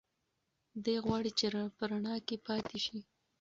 دی غواړي چې په رڼا کې پاتې شي.